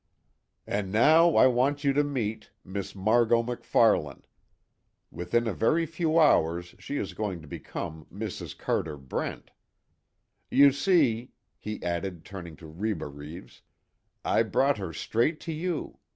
"And now I want you to meet Miss Margot MacFarlane. Within a very few hours she is going to become Mrs. Carter Brent. You see," he added turning to Reba Reeves, "I brought her straight to you.